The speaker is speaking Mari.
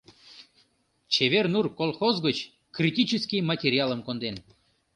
«Чевер нур» колхоз гыч критический материалым конден...